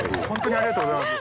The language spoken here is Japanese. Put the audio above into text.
榲筿ありがとうございます。